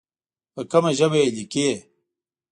په کومه ژبه یې لیکې.